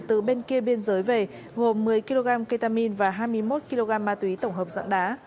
từ bên kia biên giới về gồm một mươi kg ketamin và hai mươi một kg ma túy tổng hợp dạng đá